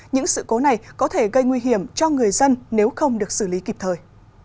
những sự cố này có thể gây nguy hiểm cho người dân nếu không được xử lý kịp thời